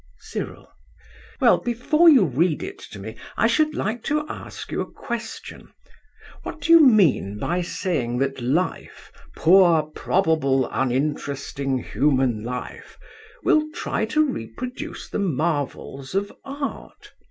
CYRIL. Well, before you read it to me, I should like to ask you a question. What do you mean by saying that life, 'poor, probable, uninteresting human life,' will try to reproduce the marvels of art?